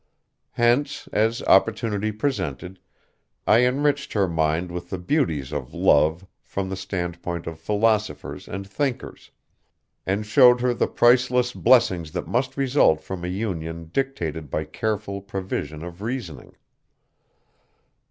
Hence, as opportunity presented, I enriched her mind with the beauties of love from the standpoint of philosophers and thinkers, and showed her the priceless blessings that must result from a union dictated by careful provision of reasoning.